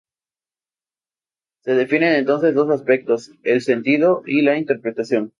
Se definen entonces dos aspectos: el sentido y la interpretación.